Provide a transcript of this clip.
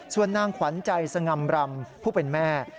ส่วนนางขวัญใจสง่ำรำผู้เป็นแม่